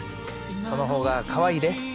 その方がかわいいで！